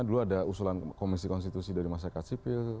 dulu ada usulan komisi konstitusi dari masyarakat sipil